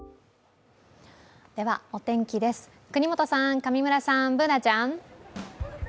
お天気です、國本さん、上村さん、Ｂｏｏｎａちゃん。